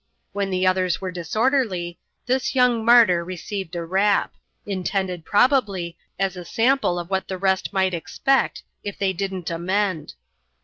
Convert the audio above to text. When the others were disorderly, this young martyr received a rap ; intended, probably, as a sample of what the rest might expect, if they didn't amend.